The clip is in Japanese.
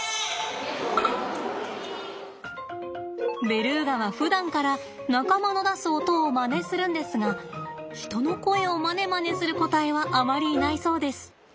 ベルーガはふだんから仲間の出す音をまねするんですが人の声をまねまねする個体はあまりいないそうです。